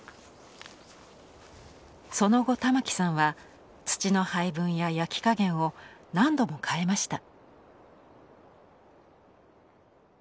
その後玉城さんは土の配分や焼き加減を何度も変えました。